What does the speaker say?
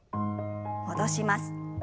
戻します。